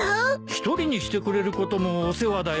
一人にしてくれることもお世話だよ。